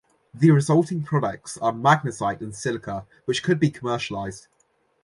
The resulting products are magnesite and silica which could be commercialized.